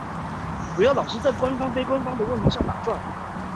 不要老是在官方非官方的問題上打轉